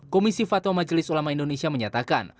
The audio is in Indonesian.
komisi fatwa majelis ulama indonesia menyatakan